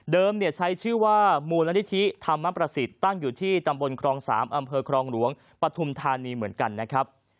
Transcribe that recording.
ใช้ชื่อว่ามูลนิธิธรรมประสิทธิ์ตั้งอยู่ที่ตำบลครอง๓อำเภอครองหลวงปฐุมธานีเหมือนกันนะครับ